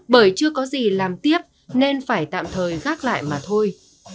bởi chưa có gì làm tiếp nên phải tạm thời gác lại mà thôi